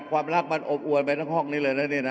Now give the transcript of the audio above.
ความรักมันอบอวนไปทั้งห้องนี้เลยนะเนี่ยนะ